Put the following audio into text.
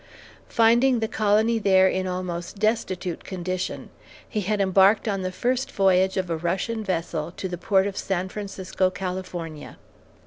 Finding the colony there in almost destitute condition, he had embarked on the first voyage of a Russian vessel to the port of San Francisco, California.